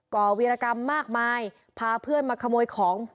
่อวีรกรรมมากมายพาเพื่อนมาขโมยของ